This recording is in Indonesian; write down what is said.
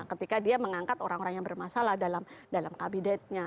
ketika dia mengangkat orang orang yang bermasalah dalam kabinetnya